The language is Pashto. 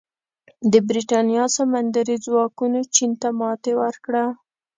د برېټانیا سمندري ځواکونو چین ته ماتې ورکړه.